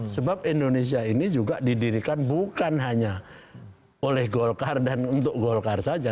sebab indonesia ini juga didirikan bukan hanya oleh golkar dan untuk golkar saja